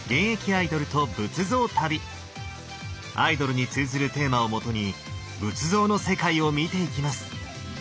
アイドルに通ずるテーマを基に仏像の世界を見ていきます。